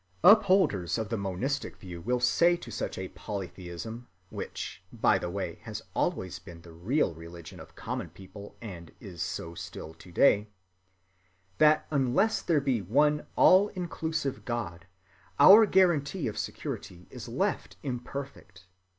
[Compare p. 132 above.] Upholders of the monistic view will say to such a polytheism (which, by the way, has always been the real religion of common people, and is so still to‐day) that unless there be one all‐inclusive God, our guarantee of security is left imperfect.